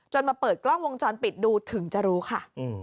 มาเปิดกล้องวงจรปิดดูถึงจะรู้ค่ะ